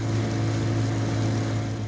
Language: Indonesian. kita akan menempatkan perahu motor